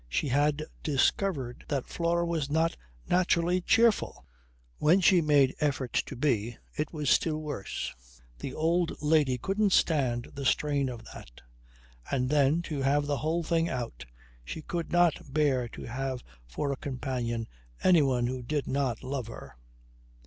She had discovered that Flora was not naturally cheerful. When she made efforts to be it was still worse. The old lady couldn't stand the strain of that. And then, to have the whole thing out, she could not bear to have for a companion anyone who did not love her.